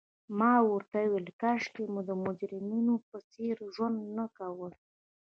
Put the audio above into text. ما ورته وویل: کاشکي مو د مجرمینو په څېر ژوند نه کولای.